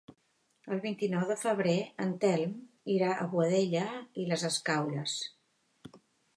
El vint-i-nou de febrer en Telm irà a Boadella i les Escaules.